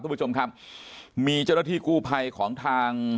คุณผู้ชมครับมีเจ้าหน้าที่กู้ภัยของทาง